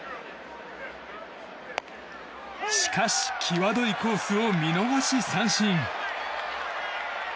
しかし、際どいコースを見逃し三振。